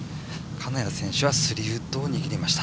金谷選手は３ウッドを握りました。